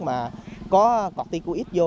mà có corticoid vô